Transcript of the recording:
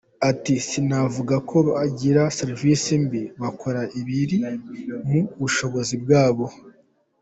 Ati “sinavuga ko bagira serivisi mbi, bakora ibiri mu bushobozi bwabo.